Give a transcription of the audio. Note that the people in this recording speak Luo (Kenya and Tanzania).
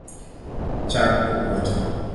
Chak opoto